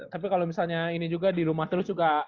tapi kalau misalnya ini juga di rumah terus juga